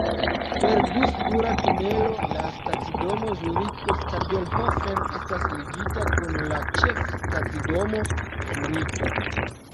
Per du-spura tunelo la stacidomo Zuriko-Stadelhofen estas ligita kun la Ĉefstacidomo Zuriko.